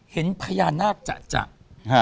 เห็นพญานาฏจาก